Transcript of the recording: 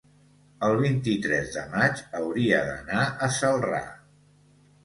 el vint-i-tres de maig hauria d'anar a Celrà.